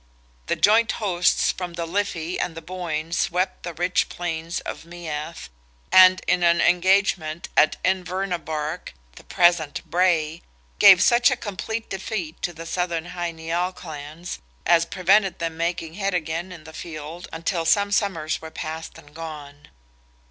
The joint hosts from the Liffey and the Boyne swept the rich plains of Meath, and in an engagement at Invernabark (the present Bray) gave such a complete defeat to the southern Hy Nial clans as prevented them making head again in the field, until some summers were past and gone.